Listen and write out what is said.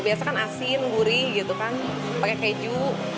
biasa kan asin gurih gitu kan pakai keju